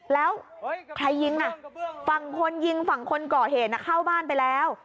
แล้วใครยิงอ่ะฝั่งคนยิงฝั่งคนก่อเหตุเข้าบ้านไปแล้ว